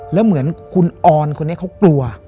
แล้วเหมือนคุณออนคนนี้เขากลัว